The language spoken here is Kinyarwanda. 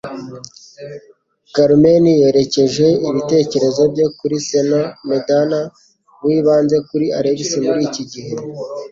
Carmen yerekeje ibitekerezo bye kuri Señor Medena, wibanze kuri Alex muri iki gihe.